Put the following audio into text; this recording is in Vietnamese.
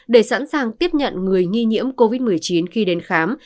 để sẵn sàng tiếp nhận người nghi nhiễm covid một mươi chín khi đến khám